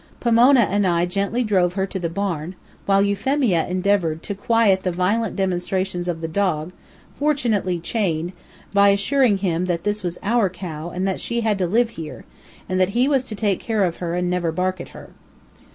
Pomona and I gently drove her to the barn, while Euphemia endeavored to quiet the violent demonstrations of the dog (fortunately chained) by assuring him that this was OUR cow and that she was to live here, and that he was to take care of her and never bark at her.